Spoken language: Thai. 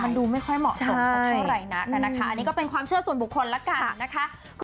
มันดูไม่ค่อยเหมาะสมสักเท่าไหร่นักนะคะอันนี้ก็เป็นความเชื่อส่วนบุคคลแล้วกันนะคะ